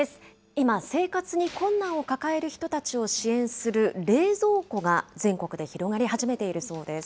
今、生活に困難を抱える人たちを支援する冷蔵庫が、全国で広がり始めているそうです。